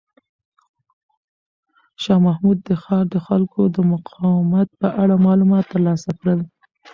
شاه محمود د ښار د خلکو د مقاومت په اړه معلومات ترلاسه کړل.